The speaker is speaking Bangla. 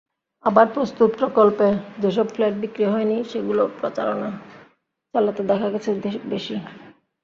আবার প্রস্তুত প্রকল্পে যেসব ফ্ল্যাট বিক্রি হয়নি সেগুলো প্রচারণা চালাতে দেখা গেছে বেশি।